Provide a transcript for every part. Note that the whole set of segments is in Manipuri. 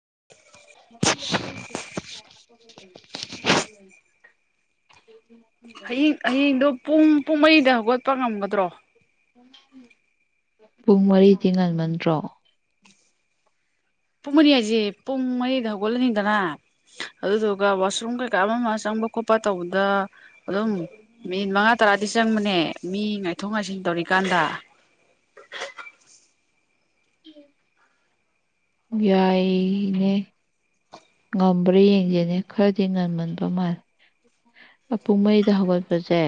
[inaudible] [inaudible] ꯍꯌꯤꯡ ꯍꯌꯦꯡꯗꯨ ꯄꯨꯡ ꯄꯨꯡ ꯃꯩꯗ ꯍꯒ ꯄꯅꯒꯝ ꯇ꯭ꯔꯣ ꯄꯨꯡ ꯃꯔꯤꯗꯤ ꯉꯟꯃꯟꯗ꯭ꯔꯣ ꯄꯨꯡ ꯃꯔꯤ ꯍꯥꯏꯁ‌ꯦ ꯄꯨꯡ ꯃꯔꯤꯗ ꯍꯧꯒꯠꯂꯅꯤꯗꯅ ꯑꯗꯨꯗꯨꯒ ꯋꯥꯁꯔꯨꯝꯒ ꯀ ꯑꯃ ꯃꯥ ꯆꯪꯕ ꯈꯣ ꯄ ꯇꯧꯕꯗ ꯑꯗꯨꯝ ꯃꯤꯅꯤꯠ ꯃꯉꯥ ꯇꯔꯥꯗꯤ ꯆꯪꯕꯅꯦ ꯃꯤ ꯉꯥꯏꯊꯣꯛ ꯉꯥꯏꯁꯤꯟ ꯇꯧꯔꯤꯀꯥꯟꯗ ꯌꯥꯏꯅꯦ ꯉꯝꯕ꯭ꯔ ꯌꯦꯡꯒ‌ꯦꯅꯦ ꯈꯔꯗꯤ ꯉꯝꯃꯟꯕ ꯃꯥꯜꯂꯦ ꯄꯨꯡ ꯃꯔꯤꯗ ꯍꯧꯒꯠꯄꯁꯦ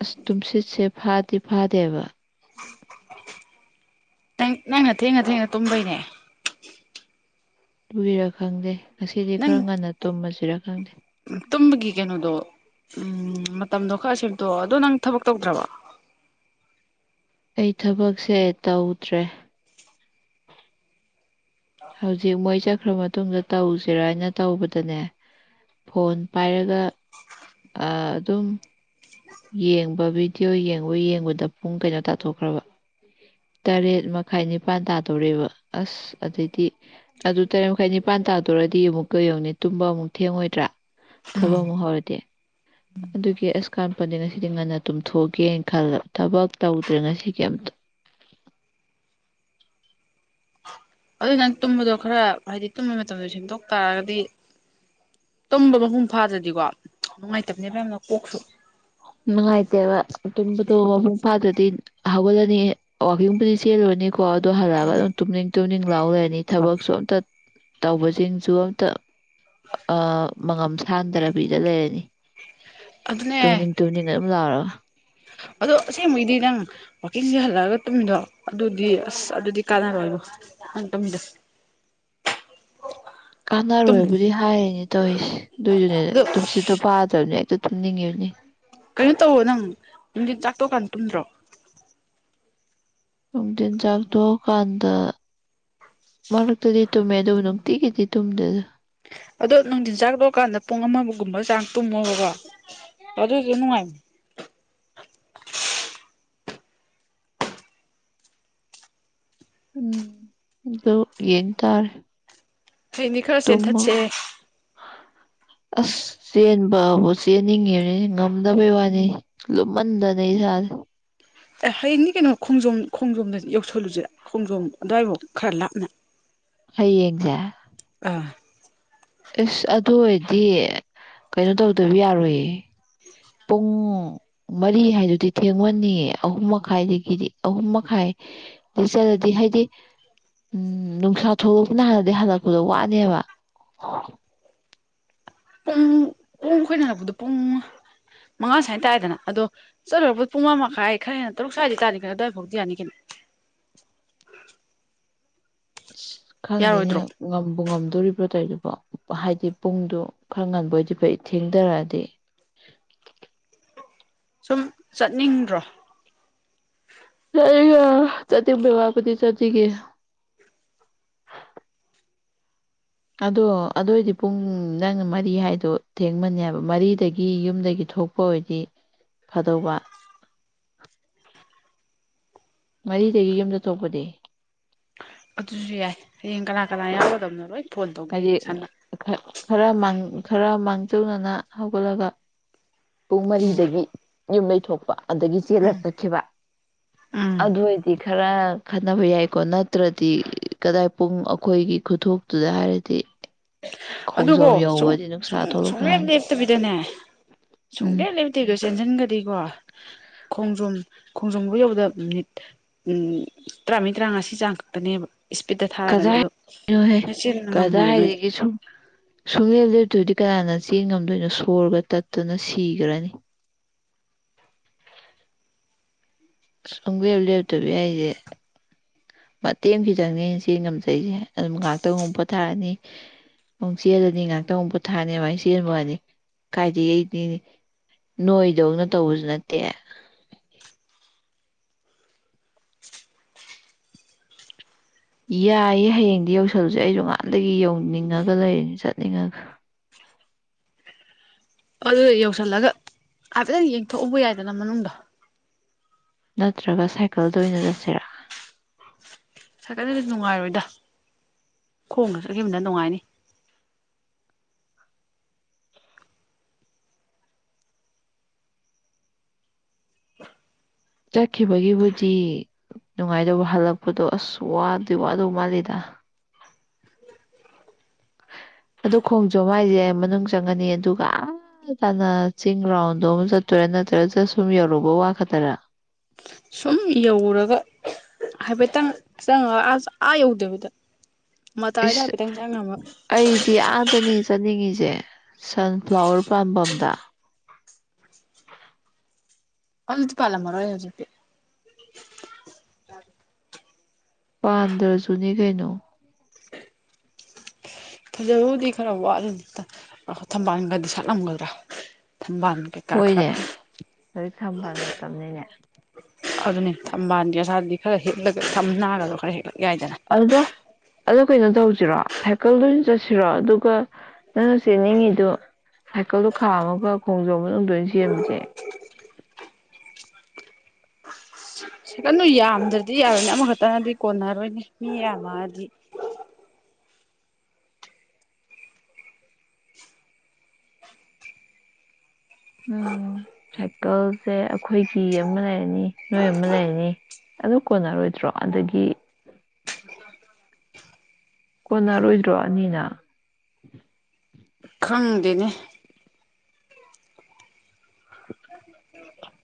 ꯑꯁ ꯇꯨꯝꯁꯤꯠꯁꯦ ꯐꯥꯗꯤ ꯐꯥꯗꯦꯕ ꯅꯪ ꯅꯪꯅ ꯊꯦꯡꯅ ꯊꯦꯡꯅ ꯇꯨꯝꯕꯩꯅꯦ ꯗꯨꯏꯔ ꯈꯪꯗꯦ ꯉꯁꯤꯗꯤ ꯈꯔ ꯅꯪ ꯉꯟꯅ ꯇꯨꯝꯃꯁꯤꯔ ꯈꯪꯗꯦ ꯇꯨꯝꯕꯒꯤ ꯀꯩꯅꯣꯗꯣ ꯎꯝ ꯃꯇꯝꯗꯣ ꯈꯔ ꯁ‌ꯦꯝꯗ‌ꯣꯛꯑꯣ ꯑꯗꯣ ꯅꯪ ꯊꯕꯛ ꯇꯧꯗ꯭ꯔꯕ‌ꯣ ꯑꯩ ꯊꯕꯛꯁꯦ ꯇꯧꯗ꯭ꯔꯦ ꯍꯧꯖꯤꯛ ꯃꯣꯏ ꯆꯠꯈ꯭ꯔ ꯃꯇꯨꯡꯗ ꯇꯧꯁꯤꯔꯥ ꯍꯥꯏꯅ ꯇꯧꯕꯗꯅꯦ ꯐꯣꯟ ꯄꯥꯏꯔꯒ ꯑꯗꯨꯝ ꯌꯦꯡꯕ ꯚꯤꯗꯤꯑꯣ ꯌꯦꯡꯕ ꯌꯦꯡꯕꯗ ꯄꯨꯡ ꯀꯩꯅꯣ ꯇꯥꯊꯣꯛꯈ꯭ꯔꯕ ꯇꯔꯦꯠ ꯃꯈꯥꯏ ꯅꯤꯄꯥꯟ ꯇꯥꯗꯧꯔꯦꯕ ꯑꯁ ꯑꯗꯩꯗꯤ ꯑꯗꯨ ꯇꯔꯦꯠ ꯃꯈꯥꯏ ꯅꯤꯄꯥꯟ ꯇꯥꯗ‌ꯣꯔꯗꯤ ꯑꯃꯨꯛꯀ ꯌ‌ꯦꯡꯉ‌ꯣꯅꯦ ꯇꯨꯝꯕ ꯑꯃꯨꯛ ꯊꯦꯡꯉꯣꯏꯗ꯭ꯔ ꯊꯕꯛ ꯑꯃꯨꯛ ꯍꯧꯔꯗꯤ ꯑꯗꯨꯒꯤ ꯑꯁ ꯀꯥꯟꯄ‌ꯣꯟꯇ‌ꯦ ꯉꯁꯤꯗꯤ ꯉꯟꯅ ꯇꯨꯝꯊꯣꯛꯑꯒꯦꯅ ꯈꯜꯂꯕ ꯊꯕꯛ ꯇꯧꯗ꯭ꯔꯦ ꯉꯁꯤꯒꯤ ꯑꯝꯇ ꯑꯗꯨ ꯅꯪ ꯇꯨꯝꯕꯗꯣ ꯈꯔ ꯍꯥꯏꯗꯤ ꯇꯨꯝꯕ ꯃꯇꯝꯗꯣ ꯁꯦꯝꯗꯣꯛ ꯇꯥꯔꯒꯗꯤ ꯇꯨꯝꯕ ꯃꯄꯨꯡ ꯐꯥꯗ꯭ꯔꯗꯤꯀꯣ ꯅꯨꯡꯉꯥꯏꯇꯕꯅꯦꯕ ꯌꯥꯝꯅ ꯀꯣꯛꯁꯨ ꯅꯨꯡꯉꯥꯏꯇꯦꯕ ꯇꯨꯝꯕꯗꯣ ꯃꯄꯨꯡ ꯐꯥꯗ꯭ꯔꯗꯤ ꯍꯧꯒꯠꯂꯅꯤ ꯋꯥꯀꯤꯡꯕꯨꯗꯤ ꯆꯦꯜꯂꯨꯔꯅꯤ ꯀꯣ ꯗ‌ꯣ ꯍꯜꯂꯛꯑꯒ ꯑꯗꯨꯝ ꯇꯨꯝꯅꯤꯡ ꯇꯨꯝꯅꯤꯡ ꯂꯥꯎ ꯂꯩꯔꯅꯤ ꯊꯕꯛꯁꯨ ꯑꯝꯇ ꯇꯧꯕꯁꯤꯡꯁꯨ ꯑꯝꯇ ꯑ ꯃꯉꯝ ꯁꯥꯟꯗꯔ ꯕꯤꯗ ꯂꯩꯔꯅꯤ ꯑꯗꯨꯅꯦ ꯇꯨꯝꯅꯤꯡ ꯇꯨꯝꯅꯤꯡ ꯑꯗꯨꯝ ꯂꯥꯎꯔ‌ꯒ ꯑꯗꯣ ꯑꯁ‌ꯦꯡꯕꯩꯗꯤ ꯅꯪ ꯏꯪꯁꯤ ꯍꯜꯂꯛꯑꯒ ꯇꯨꯝꯃꯤꯗꯣ ꯑꯗꯨꯗꯤ ꯑꯁ ꯑꯗꯨꯗꯤ ꯀꯥꯟꯅꯔꯣꯏꯉ‌ꯣ ꯅꯪ ꯇꯨꯝꯃꯤꯗ‌ꯣ ꯀꯥꯟꯅꯔꯣꯏꯕꯨꯗꯤ ꯍꯥꯏꯔꯤꯅꯦ ꯇꯧꯏꯁꯦ ꯑꯗꯨꯏꯁꯨꯅ‌ꯦ ꯑꯗꯣ ꯇꯨꯝꯁꯤꯠꯇꯣ ꯐꯥꯗꯝꯅꯤꯅ ꯍꯦꯛꯇ ꯇꯨꯝꯅꯤꯡꯉꯤꯕꯅꯤ ꯀꯩꯅꯣ ꯇꯧꯔ‌ꯣ ꯅꯪ ꯅꯨꯡꯗꯤꯜ ꯆꯥꯛ ꯇꯣꯛꯀꯥꯟ ꯇꯨꯝꯗ꯭ꯔꯣ ꯅꯨꯡꯊꯤꯟ ꯆꯥꯛ ꯇ‌ꯣꯛꯑꯀꯥꯟꯗ ꯃꯔꯛꯇꯗꯤ ꯇꯨꯝꯃꯦ ꯑꯗꯨꯕꯨ ꯅꯨꯡꯇꯤꯒꯤꯗꯤ ꯇꯨꯝꯗꯦꯗ ꯑꯗꯣ ꯅꯨꯡꯊꯤꯟ ꯆꯥꯛ ꯇ‌ꯣꯛꯀꯥꯟꯗ ꯄꯨꯡ ꯑꯃꯒꯨꯝꯕ ꯆꯥꯡ ꯇꯨꯝꯃꯣꯕꯀꯣ ꯑꯗꯨꯁꯨ ꯅꯨꯡꯉꯥꯏꯃ ꯎꯝ ꯑꯗ‌ꯣ ꯌꯦꯡꯇꯥꯔꯦ ꯍꯌ‌ꯦꯡꯗꯤ ꯈꯔ ꯆꯦꯟꯊꯠꯁꯦꯍ‌ꯦ ꯑꯁ ꯆꯦꯟꯕꯕꯨ ꯆꯦꯟꯅꯤꯡꯉꯤꯕꯅꯤ ꯉꯝꯗꯕꯩ ꯋꯥꯅꯤ ꯂꯨꯝꯃꯟꯗꯅ ꯏꯁꯥꯁꯦ ꯑꯦ ꯍꯌꯦꯡꯗꯤ ꯀꯩꯅꯣ ꯈꯣꯡꯖꯣꯝ ꯈꯣꯡꯖꯣꯝꯗ ꯌꯧꯁꯜꯂꯨꯁꯤꯔꯥ ꯈꯣꯡꯖꯣꯝ ꯑꯗꯨ꯭ꯋꯥꯏꯐꯥꯎ ꯈꯔ ꯂꯥꯞꯅ ꯍꯌ‌ꯦꯡꯖ‌ꯦ ꯑꯥ ꯑꯁ ꯑꯗꯨ ꯑꯣꯏꯔꯗꯤ ꯀꯩꯅꯣ ꯇꯧꯗꯕ ꯌꯥꯔꯣꯏꯌꯦ ꯄꯨꯡ ꯃꯔꯤ ꯍꯥꯏꯗꯨꯗꯤ ꯊꯦꯡꯃꯟꯅꯤꯌꯦ ꯑꯍꯨꯝ ꯃꯈꯥꯏꯗꯒꯤꯗꯤ ꯑꯍꯨꯝ ꯃꯈꯥꯏꯗꯩ ꯆꯠꯂꯗꯤ ꯍꯥꯏꯗꯤ ꯎꯝ ꯅꯨꯡꯁꯥ ꯊꯣꯛꯂꯛꯄꯅ ꯍꯥꯜꯂꯗꯤ ꯍꯜꯂꯛꯄꯗꯣ ꯋꯥꯅꯤꯕ ꯄꯨꯡ ꯄꯨꯡ ꯈꯣꯏꯅ ꯍꯜꯂꯛꯄꯗꯣ ꯄꯨꯡ ꯃꯉꯥ ꯁ꯭ꯋꯥꯏꯅ ꯇꯥꯏꯌ‌ꯦꯗꯅ ꯑꯗꯣ ꯆꯠꯂꯨꯔꯛꯄꯗ ꯄꯨꯡ ꯃꯉꯥ ꯃꯈꯥꯏ ꯈꯔ ꯍꯦꯟꯅ ꯇꯔꯨꯛ ꯁ꯭ꯋꯥꯏꯗꯗꯤ ꯇꯥꯅꯤ ꯈꯔ ꯑꯗꯨꯋꯥꯏ ꯐꯥꯎꯗꯤ ꯌꯥꯅꯤ ꯀꯩꯅ‌ꯣ ꯑꯁ ꯈꯪꯗꯦꯅꯦ ꯉꯝꯕꯨ ꯉꯝ ꯑꯣꯏꯗꯣꯢꯕꯔꯣ ꯇꯧꯏꯗꯨꯕꯣ ꯍꯥꯏꯗꯤ ꯄꯨꯡꯗ‌ꯣ ꯈꯔ ꯉꯟꯕ ꯑꯣꯏꯗꯤ ꯐꯩ ꯊꯦꯡꯊꯔꯛꯑꯗꯤ ꯁꯨꯝ ꯆꯠꯅꯤꯡꯗ꯭ꯔꯣ [unintelligible] ꯆꯠꯅꯤꯡꯕꯩ ꯋꯥꯕꯨꯗꯤ ꯆꯠꯅꯤꯡꯏ ꯑꯗꯣ ꯑꯗ ꯑꯣꯏꯗꯤ ꯄꯨꯡ ꯅꯪ ꯃꯔꯤ ꯍꯥꯏꯗꯣ ꯊꯦꯡꯃꯅꯦꯕ ꯃꯔꯤꯗꯒꯤ ꯌꯨꯝꯗꯒꯤ ꯊꯣꯛꯄ ꯑꯣꯏꯔꯗꯤ ꯐꯗꯧꯕ ꯃꯔꯤꯗꯒꯤ ꯌꯨꯝꯗ ꯊꯣꯛꯄꯗꯤ ꯑꯗꯨꯁꯨ ꯌꯥꯏ ꯍꯌꯦꯡ ꯀꯅꯥ ꯀꯅꯥ ꯌꯥꯎꯒꯗꯕꯅꯣ ꯂꯣꯏ ꯐꯣꯟ ꯇꯧꯒꯦ ꯍꯥꯏ ꯁꯟꯅ ꯈ ꯈꯔ ꯃꯥꯡ ꯈꯔ ꯃꯥꯡꯖꯧꯅꯅ ꯍꯧꯒꯠꯂꯒ ꯄꯨꯡ ꯎꯝ ꯃꯔꯤꯗꯒꯤ ꯌꯨꯝ ꯂꯩꯩꯊꯣꯛꯄ ꯑꯗꯒꯤ ꯎꯝ ꯆꯦꯜꯂꯒ ꯆꯠꯈꯤꯕ ꯎꯝ ꯑꯗꯨ ꯑꯣꯏꯗꯤ ꯈꯔ ꯈꯟꯅꯕ ꯌꯥꯏꯀꯣ ꯅꯠꯇ꯭ꯔꯗꯤ ꯀꯗꯥꯏ ꯄꯨꯡ ꯑꯩꯈꯣꯏꯒꯤ ꯈꯨꯊꯣꯛꯇꯨꯗ ꯍꯥꯏꯔ [unintelligible] ꯑꯗꯨꯀꯣ ꯁꯨꯡ ꯌꯧꯕꯗꯤ ꯅꯨꯡꯁꯥ ꯁꯨꯡ ꯁꯨꯡꯂꯦꯞ ꯊꯣꯛꯂꯛꯄꯅꯤ ꯂꯦꯞꯇꯕꯤꯗꯅꯦ ꯎꯝ ꯁꯨꯡꯂꯦꯞ ꯂꯦꯞꯇꯕꯤꯗꯣ ꯆꯦꯟꯁꯤꯟꯒꯗꯤꯀꯣ ꯈꯣꯡꯖꯣꯝ ꯈꯣꯡꯖꯣꯝꯕꯨ ꯌꯧꯗ ꯃꯤꯅꯤꯠ ꯎꯝ ꯇꯔꯥꯃ ꯇꯔꯥꯉꯥꯁꯤ ꯆꯥꯡ ꯈꯛꯇꯅꯦꯕ ꯏꯁꯄꯤꯠꯇ ꯊꯥꯔꯒꯗꯤ ꯑꯗꯨꯗꯣ ꯀꯗꯥꯏꯅꯣꯍꯦ ꯅꯣꯏ ꯆꯦꯟ ꯉꯝꯃꯣꯏꯕ ꯅꯣꯏꯗ ꯀꯗꯥꯏꯗꯒꯤ ꯁꯨꯝ ꯁꯨꯡꯂꯦꯞ ꯂꯦꯞꯇꯣꯏꯗꯤ ꯀꯅꯥꯅ ꯆꯦꯡ ꯉꯝꯗꯣꯏꯅꯣ ꯁꯣꯔꯒ ꯇꯠꯇꯨꯅ ꯁꯤꯈ꯭ꯔꯅꯤ ꯁꯨꯡꯒꯦꯕ ꯂꯦꯕꯇꯕ ꯌꯥꯏꯁꯦ ꯃꯇꯦꯡ ꯈꯤꯇꯪꯅꯤ ꯆꯦꯟ ꯉꯝꯖꯩꯁꯦ ꯑꯗꯨꯝ ꯉꯥꯏꯍꯥꯛꯇꯪ ꯑꯃꯨ ꯄꯣꯊꯥꯔꯅꯤ ꯑꯃꯨꯛ ꯆꯦꯜꯂꯅꯤ ꯉꯥꯏꯍꯥꯛꯇꯪ ꯑꯃ ꯄꯣꯊꯥꯔꯅꯤ ꯑꯗꯨꯃꯥꯏꯅ ꯆꯦꯟꯕꯑꯅꯤ ꯀꯥꯏꯗ ꯑꯩ ꯅꯣꯏꯗꯧꯅ ꯇꯧꯕꯁꯨ ꯅꯠꯇꯦ ꯌꯥꯏꯌꯦ ꯍꯌꯦꯡꯗꯤ ꯌꯧꯁꯜꯂꯨꯁꯦ ꯑꯩꯁꯨꯅꯍꯥꯟꯗꯒꯤ ꯌꯧꯅꯤꯡꯉꯒ ꯂꯩꯔꯤꯅꯤ ꯆꯠꯅꯤꯡꯉꯒ ꯑꯗꯨ ꯌꯧꯁꯤꯜꯂꯒ ꯍꯥꯏꯐꯦꯠꯇꯪ ꯌꯦꯡꯊꯣꯛꯎꯕ ꯌꯥꯏꯗꯅ ꯃꯅꯨꯡꯗꯣ ꯅꯠꯇ꯭ꯔꯒ ꯁꯥꯏꯀꯜꯗ ꯑꯣꯏꯅ ꯆꯠꯁꯤꯔꯥ ꯁꯥꯥꯏꯀꯠꯗꯁꯨ ꯅꯨꯡꯉꯥꯏꯔꯣꯏꯗ ꯈꯣꯡꯅ ꯆꯠꯈꯤꯕꯗ ꯅꯨꯡꯉꯥꯏꯅꯤ ꯆꯠꯈꯤꯕꯒꯤꯕꯨꯗꯤ ꯅꯨꯡꯉꯥꯏꯗꯧꯕ ꯍꯜꯂꯛꯄꯗꯣ ꯑꯁ ꯋꯥꯕꯗꯤ ꯋꯥꯗꯧ ꯃꯥꯜꯂꯤꯗ ꯑꯗꯨ ꯈꯣꯡꯖꯣꯝ ꯍꯥꯏꯁꯦ ꯃꯅꯨꯡ ꯆꯪꯉꯅꯤ ꯑꯗꯨꯒ ꯑꯥ ꯇꯅ ꯆꯤꯡ ꯔꯥꯎꯟꯗꯨꯃ ꯆꯠꯇꯣꯏꯔꯥ ꯅꯠꯇ꯭ꯔꯒ ꯖꯥꯁ ꯁꯨꯝ ꯌꯧꯔꯨꯕ ꯋꯥ ꯈꯛꯇꯔꯥ ꯫ ꯑꯗꯨꯝ ꯌꯧꯔꯒ ꯍꯥꯏꯐꯦꯠꯇꯪ ꯆꯪꯉꯒ ꯑꯁ ꯑꯥ ꯌꯧꯗꯕꯤꯗ ꯃꯇꯥꯏꯗ ꯏꯁ ꯍꯥꯏꯐꯦꯠꯇꯪ ꯆꯪꯉꯝꯃ ꯑꯩꯗꯤ ꯑꯥꯗꯅꯤ ꯆꯠꯅꯤꯡꯉꯤꯁꯦ ꯁꯟ ꯐ꯭ꯂꯥꯋꯔ ꯄꯥꯝꯕꯝꯗ ꯑꯃꯇ ꯄꯥꯜꯂꯝꯃꯔꯣꯢ ꯍꯧꯖꯤꯛꯇꯤ ꯄꯥꯟꯗ꯭ꯔꯁꯨꯅꯤ ꯀꯩꯅꯣ ꯐꯖꯕꯕꯨꯗꯤ ꯈꯔ ꯋꯥꯠꯂꯅꯤ ꯊꯝꯕꯥꯜꯒꯗꯤ ꯁꯥꯠꯂꯝꯒꯗ꯭ꯔꯥ ꯊꯝꯕꯥꯜ ꯀꯩꯀꯥ ꯈꯔ ꯍꯣꯏꯅꯦ ꯑꯗꯨꯗꯤ ꯊꯕꯥ ꯃꯇꯝꯅꯤꯅꯦ ꯑꯗꯨꯅꯦ ꯊꯝꯕꯥꯜꯗꯤ ꯑꯁꯥꯔꯗꯤ ꯈꯔ ꯍꯦꯛꯂꯒ ꯊꯝꯅꯥꯒꯗꯣ ꯈꯔ ꯍꯦꯛꯂꯛ ꯌꯥꯏꯗꯅ꯫ ꯑꯗ ꯀꯩꯅꯣ ꯇꯧꯁꯤꯔꯣ ꯁꯥꯏꯀꯜꯗꯣꯏ ꯑꯣꯏꯅ ꯆꯠꯁꯤꯔꯣ ꯑꯗꯨꯒ ꯅꯪꯅ ꯆꯦꯟꯅꯤꯡꯉꯤꯗꯨ ꯁꯥꯏꯀꯜꯗꯣ ꯈꯥꯝꯃꯒ ꯈꯣꯡꯖꯣꯝ ꯃꯅꯨꯡ ꯂꯣꯏꯅ ꯁꯦꯝꯕꯁꯦ ꯁ ꯀꯅꯨ ꯌꯥꯝꯗ꯭ꯔꯗꯤ ꯌꯥꯔꯣꯏꯅꯦ ꯑꯃꯈꯛꯇꯅꯗꯤ ꯀꯣꯟꯅꯔꯣꯏꯅꯦ ꯃꯤ ꯌꯥꯝꯃꯗꯤ ꯎꯝ ꯁꯥꯏꯀꯜꯁꯦ ꯑꯩꯈꯣꯏꯒꯤ ꯑꯃ ꯂꯩꯔꯅꯤ ꯅꯣꯏ ꯑꯃ ꯂꯩꯔꯅꯤ ꯑꯗꯨ ꯀꯣꯟꯅꯔꯣꯏꯗ꯭ꯔꯣ ꯑꯗꯒꯤ ꯀꯣꯟꯅꯔꯣꯏꯗ꯭ꯔꯣ ꯑꯅꯤꯅ ꯈꯪꯗꯦꯅꯦ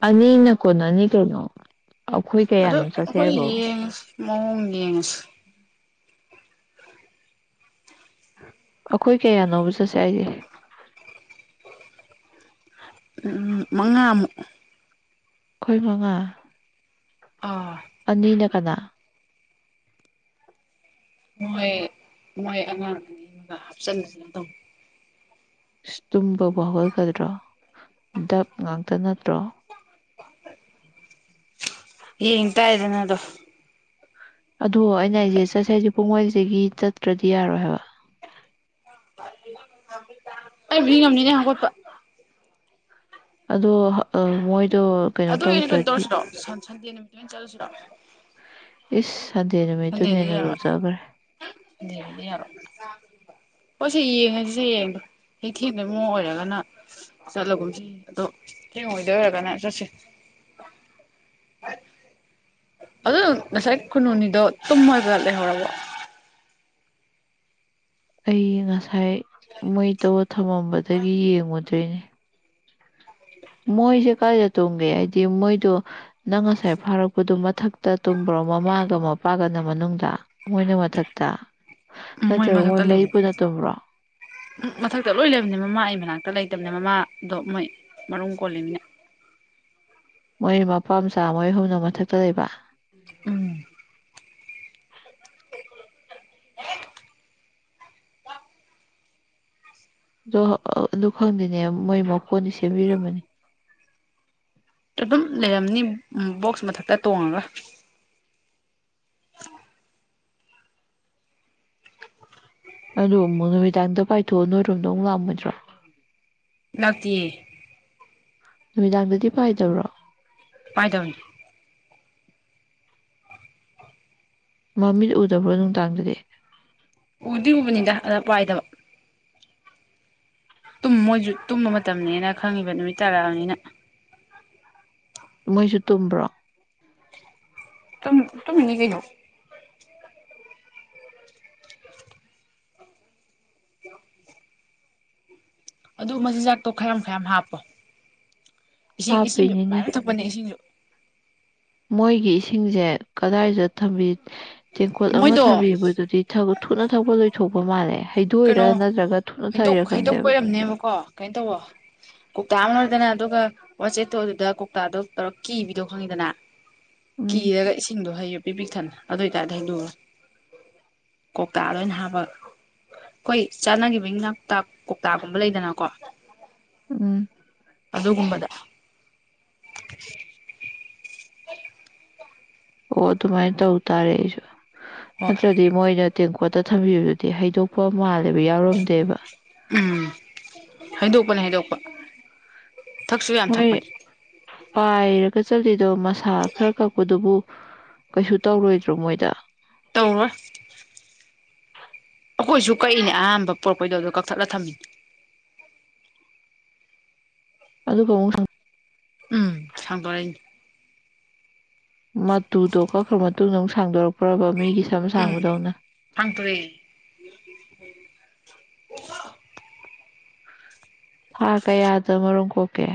ꯑꯅꯤꯅ ꯀꯣꯟ ꯅꯅꯤ ꯀꯩꯅꯣ ꯑꯩꯈꯣꯏ ꯀꯌꯥꯅꯣ ꯆꯠꯁꯦ ꯍꯥꯏꯕꯣ ꯃꯗꯤ ꯌꯦꯉꯁ ꯑꯩꯈꯣꯏ ꯀꯌꯥꯅꯣꯕ ꯆꯠꯁꯦ ꯍꯥꯏꯁꯦ ꯎꯝ ꯃꯉꯥꯃꯨꯛ ꯑꯩꯈꯣꯏ ꯃꯉꯥ ꯑꯥ ꯑꯅꯤꯅ ꯀꯅꯥ ꯃꯣꯏ ꯃꯣꯏ ꯑꯉꯥꯡ ꯑꯅꯤ ꯑꯃꯒ ꯍꯥꯞꯆꯥꯟ ꯕꯖꯤꯗꫭꯡ ꯇꯧꯋꯦ [unintelligible] ꯇꯨꯝꯕꯕꯨ ꯍꯟꯒꯗ꯭ꯔꯣ ꯗꯞ ꯉꯥꯛꯇ ꯅꯠꯇ꯭ꯔꯣ ꯌꯦꯡ ꯇꯔꯦꯗꯅ ꯑꯗꫭ ꯑꯗꯣ ꯑꯩꯅ ꯑꯩꯁꯦ ꯆꯠꯁꯦ ꯍꯥꯏꯁꯦ ꯄꯨꯡ ꯃꯥꯔꯤꯗꯒꯤ ꯆꯠꯇ꯭ꯔꯗꯤ ꯌꯥꯔꯣꯏ ꯍꯥꯏꯕ ꯑꯩꯕꯨꯗꯤ ꯉꯝꯅꯤꯗꯥ ꯍꯥꯎꯒꯠꯄꯥ ꯑꯗꯣ ꯍꯥꯑ ꯃꯣꯏ ꯑꯗꯨ ꯑꫭꯏꯔꯗꯤ ꯀꯩꯅꫭ ꯇꯧꯔꯁꯤꯔꫭ [unintelligible] [unintelligible] ꯆꯠꯂꯁꯤꯔꫭ [unintelligible] ꯅꯨꯃꯤꯠꯇꯨꯅ ꯁꯟꯗꯦꯗꯗꯤ ꯍꯦꯟꯅ ꯌꯥꯔꫭꯏ ꯂꯨꯖꯈ꯭ꯔꯦ [unintelligible] ꯁꯟꯗꯦꯗꯗꯤ ꯌꯥꯔꯣꯏ [unintelligible] ꯍꯣꯏ ꯁꯤ ꯌꯦꯡꯉꯁꯤꯁꯦ ꯌꯦꯡꯕ ꯍꯦꯛ ꯊꯦꯡꯗꯣꯏꯕ ꯃꯑꯣꯡ ꯑꯣꯏꯔꯒꯅ ꯆꯠꯂꯒꯨꯝꯁ ꯑꯗꯣ ꯊꯦꯡꯉꫭꯏꯗꯣꯏ ꯑꯣꯏꯔꯒꯅ ꯆꯠꯁꯤ [unintelligible] ꯑꯗꯨ ꯉꯁꯥꯏ ꯈꯨꯅꯨꯑꯅꯤꯗꯣ ꯇꯨꯝꯃꯥꯒ ꯂꯩꯍꯥꯎꯔꯕꫭ ꯑꯩ ꯉ ꯉꯁꯥꯏ ꯃꯩꯇꯧꯔꯥ ꯊꯝꯃꯝꯕꯗꯒꯤ ꯌꯦꯡꯉꯨ [unintelligible] ꯃꯣꯏꯖꯦ ꯀꯥꯏꯗ ꯇꯨꯝꯒꯦ ꯍꯥꯏꯗꯤ ꯃꯣꯏꯗꯣ ꯅꯪ ꯉꯁꯥꯏ ꯐꯥꯔꯛꯄꯗꯣ ꯃꯊꯛꯇ ꯇꯨꯝꯕ꯭ꯔꯣ ꯃꯃꯥꯒ ꯃꯄꯥꯒꯅ ꯃꯅꯨꯡꯗ ꯃꯣꯏꯅ ꯃꯊꯛꯇ ꯅꯠꯇ꯭ꯔꯒ ꯃꯣꯏ ꯃꯊꯛꯇ ꯃꯔꯤ ꯂꯩꯕꯅꯤ ꯄꯨꯨꯟꯅ ꯇꯨꯝꯕ꯭ꯔꯣ ꯕꯅꯦ ꯃꯃꯥꯗꯣ ꯃꯣꯏ ꯃꯔꯨꯝ ꯀꯣꯜꯂꯤꯃꯤꯅ [inaudible] ꯃꯣꯏ ꯃꯄꯥꯝꯆꯥ ꯃꯣꯏ ꯑꯍꯨꯝꯅ ꯃꯊꯛꯇ ꯂꯩꯕ ꯎꯝ ꯑꯗꯣ ꯑꯗꯨ ꯈꯪꯗꯦꯅꯦ ꯃꯣꯏ ꯃꯥꯀꫭꯟꯗꯤ ꯁꯦꯝꯕꯤꯔꯝꯕꯅꯤ ꯑꯗꯨꯝ ꯂꯩꯔꯝꯅꯤ ꯕꯣꯛꯁ ꯃꯊꯛꯇ ꯇꯣꯡꯉꯒ ꯑꯗꯣ ꯑꯃꯨꯛ ꯅꯨꯃꯤꯗꯥꯡꯗ ꯄꯥꯏꯊꯣꯛꯑ ꯅꯣꯏꯔꯣꯝꯗꯣ ꯑꯃꯨꯛ ꯂꯥꯛꯑꯝꯃꯣꯏꯗ꯭ꯔꯣ ꯂꯥꯛꯇꯤꯌꯦ ꯅꯨꯃꯤꯗꯥꯡꯗꯗꯤ ꯄꯥꯏꯗꯕꯔꯣ ꯄꯥꯏꯗꯝꯕꯅꯤ ꯃꯃꯤꯠ ꯎꯗꯕ꯭ꯔꯣ ꯅꯨꯡꯗꯥꯡꯗꯗꯤ ꯎꯗꯤ ꯎꯕꯅꯤꯗ ꯑꯗ ꯄꯥꯏꯗꯕ ꯇꯨꯝ ꯃꯣꯏꯖꯨ ꯇꯨꯝꯕ ꯃꯇꯝꯅꯦꯅ ꯈꯪꯉꯤꯕ ꯅꯨꯃꯤꯠ ꯇꯔꯥꯛꯑꯃꯤꯅ ꯃꯣꯏꯁꯨ ꯇꯨꯝꯕ꯭ꯔꯣ ꯇꯝꯃꯤ ꯇꯝꯃꯤꯅꯤ ꯀꯩꯅꯣ [inaudible] ꯑꯗꯨ ꯃꯆꯤꯟꯖꯥꯛꯇꯣ ꯈꯔꯌꯥꯝ ꯈꯔꯌꯥꯝ ꯍꯥꯞꯄꯣ ꯏꯁꯤꯡ ꯏꯁꯤꯡꯖꯨ ꯃꯌꯥꯝ ꯍꯥꯞꯄꯤꯅꯤꯅꯦ ꯊꯛꯄꯅꯦ ꯏꯁꯤꯡꯖꯨ ꯃꯣꯏꯒꯤ ꯏꯁꯤꯡꯖꯦ ꯀꯗꯥꯏꯗ ꯊꯝꯕꯤ ꯇꯦꯡꯀꯣꯠ ꯑꯃ ꯃꯣꯏꯗꯣ ꯊꯥꯕꯤꯕꯗꯨꯗꯤ ꯊꯨꯅ ꯊꯛꯄ ꯂꯣꯏꯊꯣꯛ ꯀꯩꯅꯣ ꯍꯩꯗꯣꯛ ꯊꯛꯏꯔꯥ ꯍꯩꯗꯣꯛꯄꯩ ꯈꯪꯗꯦꯕ ꯑꯣꯏꯔꯝꯅꯦꯕꯀꯣ ꯀꯩꯅꯣ ꯇꯧꯋꫭ ꯀꯧꯇꯥ ꯑꯃ ꯗꯅ ꯑꯗꯨꯒ ꯋꯥꯆꯦꯠꯇꯣ ꯑꯗꯨꯗ ꯀꯧꯇꯥꯗꯣ ꯇꯧꯔ ꯀꯤꯕꯤꯗꯣ ꯈꯪꯉꯤꯗꯅ ꯎꯝ ꯀꯤꯔꯒ ꯏꯁꯤꯡꯗꯣ ꯍꯩꯌꯨ ꯄꯤ ꯄꯤꯛꯊꯟꯅ ꯑꯗꯨ ꯑꯣꯏꯇꯥꯔꯗꯤ ꯍꯩꯗꫭꯛꯑꯔꫭꯏ ꯀꫭꯛꯇꯥꯗ ꯑꫭꯏ ꯍꯥꯞꯄ ꯑꯩꯈꯣꯏ ꯆꯥꯟꯅꯒꯤꯕꯩ ꯉꯥ ꯀꯧꯇꯥꯒꯨꯝꯕ ꯂꯩꯗꯅꯀꯣ [unintelligible] ꯎꯝ ꯑꯗꯨꯒꯨꯝꯕꯗ [inaudible] [unintelligible] ꯑꯣ ꯑꯗꯨ ꯃꯥꯏ ꯇꯧ ꯇꯔꯦ ꯑꯩꯖꯨ ꯫ ꯍꯣꯏ ꯅꯥꯠꯇꯔꯗꯤ ꯃꯣꯏꯅ ꯇꯦꯡꯀꯣꯠꯇ ꯊꯝꯕꯤꯕꯗꯨꯗꯤ ꯍꯩꯗꯣꯛꯄ ꯃꯥꯜ ꯎꯝ ꯍꯩꯗꯣꯛꯄꯅꯦ ꯍꯩ ꯗꯣꯛ [inaudible] ꯍꯣꯏ ꯄꯥꯏꯔꯒ ꯆꯠꯂꯤꯗꯣ ꯃꯁꯥ ꯈꯔ ꯀꯛꯄꯗꯨꯕꯨ ꯀꯩꯁꯨ ꯇꯧꯔꯣꯏꯗ꯭ꯔꯣ ꯃꯣꯏꯗ? ꯇꯧꯔꯣꯏ꯫ ꯑꯩꯈꯣꯏꯁꯨ ꯀꯛꯏꯅꯦ ꯑꯍꯥꯟꯕ ꯄꯨꯔꯛꯄꯩꯗꯣ ꯑꯗ ꯀꯛꯊꯠꯂ ꯊꯝꯃꯤꯅꯦ꯫ ꯑꯗꯨꯒ ꯑꯃꯨꯛ ꯁ ꯎꯝ ꯁꯥꯡꯗꯣꯔꯩꯅꯤ꯫ ꯃꯇꯨꯗꯣ ꯀꯛꯈ꯭ꯔ ꯃꯇꯨꯡꯗ ꯑꯃ ꯍꯥꯡꯗꯣꯔꯛ ꯄꯔ꯭ꯕ ꯃꯤꯒꯤ ꯁꯝ ꯎꯝ ꯁꯥꯡꯕꯗꯧꯅ ꯍꯪ ꯇꯋꯦ꯫ [unintelligible] ꯍꯊꯥ ꯀꯌꯥꯗ ꯃꯔꯨꯝ ꯀꯣꯛ [unintelligible]